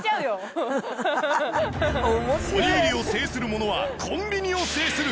おにぎりを制する者はコンビニを制する！